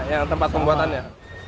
ya tempat pembuatannya